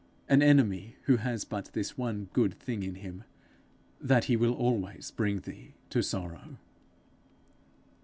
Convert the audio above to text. an enemy who has but this one good thing in him that he will always bring thee to sorrow!